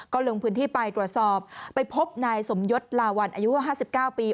ก็ลงพื้นที่ไปตรวจสอบไปพบนายสมยศลาวัลอายุ๕๙ปี